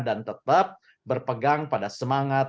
dan tetap berpegang pada semangat